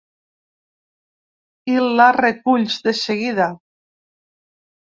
I la reculls, de seguida.